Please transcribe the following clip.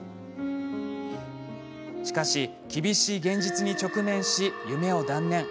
しかし、厳しい現実に直面し夢を断念。